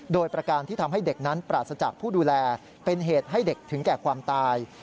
โดยประการที่ทำให้เด็กนั้นปราศจากผู้ดูแลเป็นเหตุให้เด็กถึงแก่ความตาย